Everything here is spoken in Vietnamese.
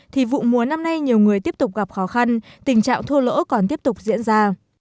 thì vụ mùa năm nay nhiều người tiếp tục gặp khó khăn tình trạng thua lỗ còn tiếp tục diễn ra